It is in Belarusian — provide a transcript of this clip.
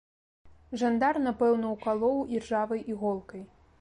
Жандар, напэўна, укалоў іржавай іголкай.